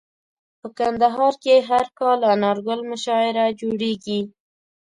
په کندهار کي هر کال انارګل مشاعره جوړیږي.